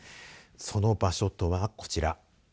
その場所とは、こちら。